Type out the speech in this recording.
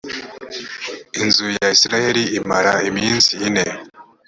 inzu ya isirayeli imara iminsi ine